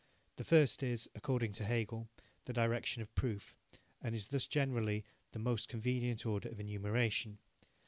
The first is, according to Hegel, the direction of proof, and is thus generally the most convenient order of enumeration.